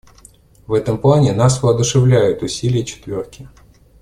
В этом плане нас воодушевляют усилия «четверки».